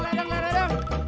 lidung lidung lidung